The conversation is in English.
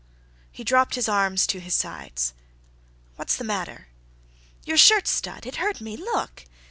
He dropped his arms to his sides. "What's the matter?" "Your shirt stud—it hurt me—look!"